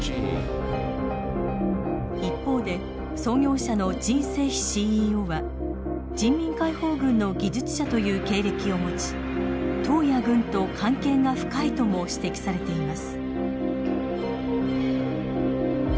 一方で創業者の任正非ＣＥＯは人民解放軍の技術者という経歴を持ち党や軍と関係が深いとも指摘されています。